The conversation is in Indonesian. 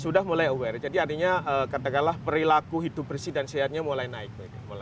sudah mulai aware jadi artinya katakanlah perilaku hidup bersih dan sehatnya mulai naik